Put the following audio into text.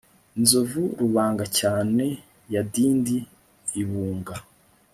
inzovu rubungacyane y'adindi ibunga